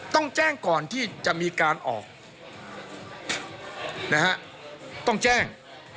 ต้องแจ้งก่อนที่จะมีการออกนะฮะต้องแจ้ง